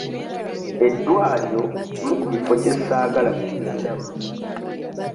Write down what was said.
Eddwaliro kimu ku bifo kye saagala kugendamu.